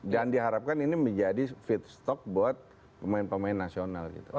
dan diharapkan ini menjadi feedstock buat pemain pemain nasional gitu